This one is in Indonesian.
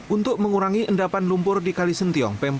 untuk mengurangi endapan lumpur di kalisentiong